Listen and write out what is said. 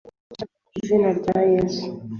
yavuze mu izina rya yesu